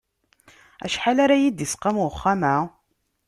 Acḥal ara yi-d-isqam uxxam-a?